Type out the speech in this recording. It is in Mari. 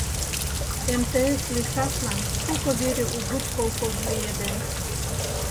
МТС лийшашлан шуко вере угыч колхоз лиеден.